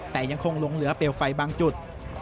แต่ยังคงหลงเหลือเปลวไฟบางจุด